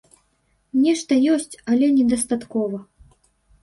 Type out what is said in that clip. Нешта ёсць, але недастаткова.